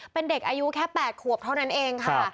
เป็นเด็กอายุแค่๘ขวบเท่านั้นเองค่ะ